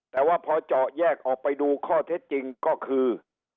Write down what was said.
แต่ว่าพอเจาะแยกออกไปดูข้อเท็จจริงก็คือ